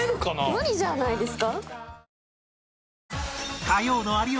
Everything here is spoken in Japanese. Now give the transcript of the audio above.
無理じゃないですか？